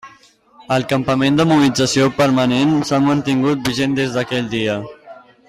El campament de mobilització permanent s'han mantingut vigent des d'aquell dia.